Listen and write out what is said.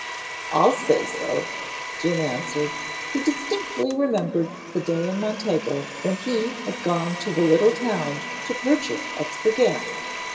"I'll say so," Jim answered. He distinctly remembered the day in Montego when he had gone to the little town to purchase extra gas.